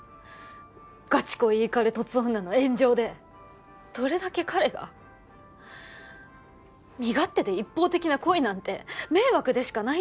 ガチ恋いかれ凸女の炎上でどれだけ彼が身勝手で一方的な恋なんて迷惑でしかないんです